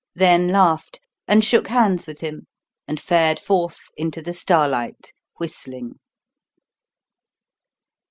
Then laughed and shook hands with him and fared forth into the starlight, whistling.